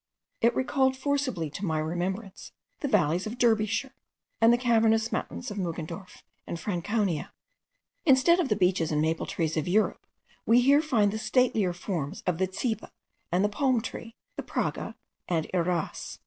It recalled forcibly to my remembrance the valleys of Derbyshire, and the cavernous mountains of Muggendorf, in Franconia. Instead of the beeches and maple trees of Europe we here find the statelier forms of the ceiba and the palm tree, the praga and irasse.